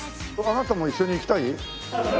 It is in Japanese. あなたも一緒に行きたい？